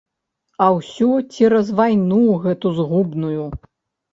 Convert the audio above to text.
А ўсё цераз вайну гэту згубную.